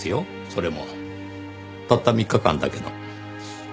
それもたった３日間だけの。